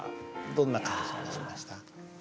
どんな感じがしました？